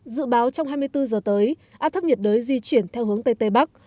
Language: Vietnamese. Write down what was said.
dự báo trong hai mươi bốn giờ tới áp thấp nhiệt đới di chuyển theo hướng tây tây bắc